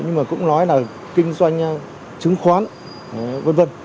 nhưng mà cũng nói là kinh doanh chứng khoán v v